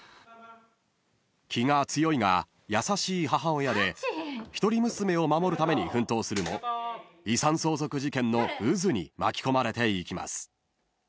［気が強いが優しい母親で一人娘を守るために奮闘するも遺産相続事件の渦に巻き込まれていきます］